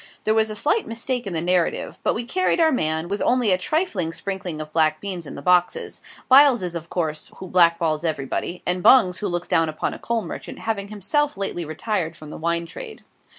There was a slight mistake in the narrative; but we carried our man, with only a trifling sprinkling of black beans in the boxes: Byles's, of course, who blackballs everybody: and Bung's, who looks down upon a coal merchant, having himself lately retired from the wine trade.